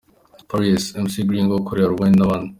Paris, Mc Gringoo ukorera Rouen n'abandi.